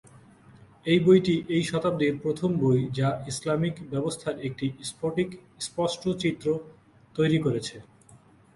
এই বইটি এই শতাব্দীর প্রথম বই যা ইসলামিক ব্যবস্থার একটি স্ফটিক স্পষ্ট চিত্র তৈরি করেছে।